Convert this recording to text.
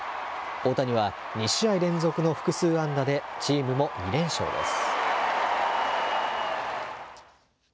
大谷は２試合連続の複数安打で、チームも２連勝です。